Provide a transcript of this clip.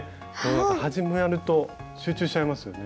始まると集中しちゃいますよね。